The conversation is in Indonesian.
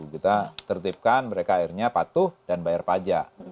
kita tertipkan mereka akhirnya patuh dan bayar pajak